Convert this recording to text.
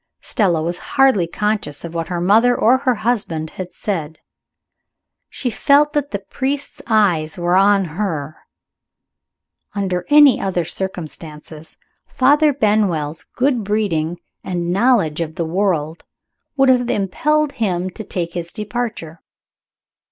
Stella was hardly conscious of what her mother or her husband had said. She felt that the priest's eyes were on her. Under any other circumstances, Father Benwell's good breeding and knowledge of the world would have impelled him to take his departure.